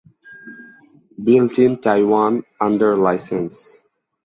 Built in Taiwan under license.